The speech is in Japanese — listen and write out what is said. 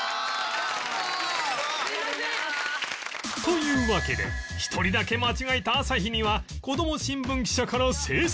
というわけで１人だけ間違えた朝日にはこども新聞記者から制裁が